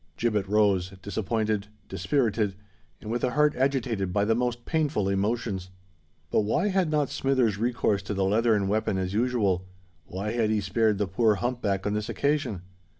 Gibbet rose—disappointed, dispirited, and with a heart agitated by the most painful emotions. But why had not Smithers recourse to the leathern weapon as usual? why had he spared the poor hump back on this occasion?